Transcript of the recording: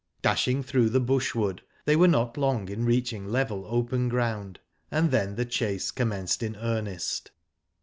Dashing through the bush wood, they were not long in reaching level open ground, and then the chase commenced in earnest.